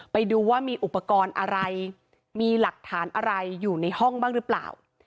ไปดูว่ามีอุปกรณ์อะไรมีหลักฐานอะไรอยู่ในห้องบ้างหรือเปล่า